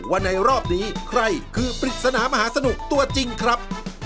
ว่าในรอบนี้ใครคือปริศนามหาสนุกตัวจริงครับ